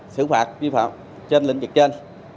xử phạt vi phạm trên lĩnh vực trên